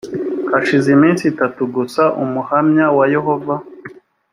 hashize iminsi itatu gusa umuhamya wa yehova